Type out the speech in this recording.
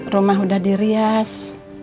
rumah udah dirias